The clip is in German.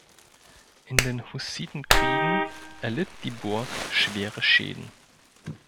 In den Hussitenkriegen erlitt die Burg schwere Schäden.